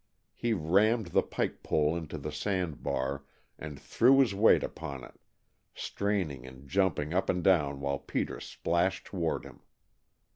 He rammed the pike pole into the sand bar and threw his weight upon it, straining and jumping up and down while Peter splashed toward him.